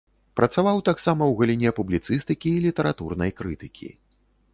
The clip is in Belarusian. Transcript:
Працаваў таксама ў галіне публіцыстыкі і літаратурнай крытыкі.